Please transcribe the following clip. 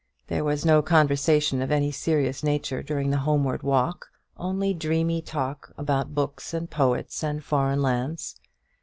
There was no conversation of any serious nature during the homeward walk only dreamy talk about books and poets and foreign lands.